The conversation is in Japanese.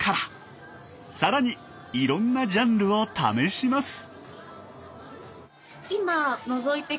更にいろんなジャンルを試します。